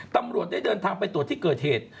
ตำรวจได้เดินทางไปตรวจที่เกิดเหตุ